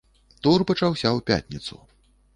Тур пачаўся ў пятніцу.